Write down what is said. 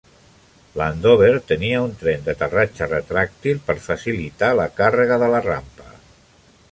L'Andover tenia un tren d'aterratge retràctil per facilitar la càrrega de la rampa.